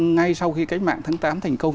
ngay sau khi cái mạng tháng tám thành công